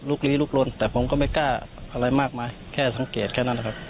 ลีลุกลนแต่ผมก็ไม่กล้าอะไรมากมายแค่สังเกตแค่นั้นนะครับ